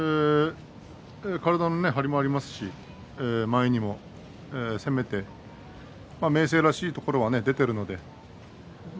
体の張りもありますし前にも攻めて明生らしいところが出ているので。